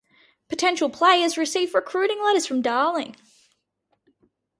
Potential players received recruiting letters from Darling.